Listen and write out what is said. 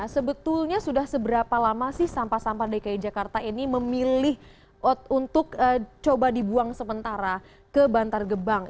sebetulnya sudah seberapa lama sih sampah sampah dki jakarta ini memilih untuk coba dibuang sementara ke bantar gebang